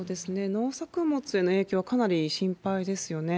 農作物への影響はかなり心配ですよね。